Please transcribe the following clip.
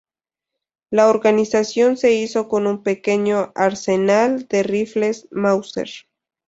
La organización se hizo con un pequeño arsenal de rifles Mauser.